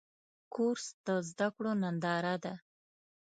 کورس د زده کړو ننداره ده.